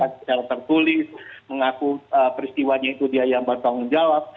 secara tertulis mengaku peristiwanya itu dia yang bertanggung jawab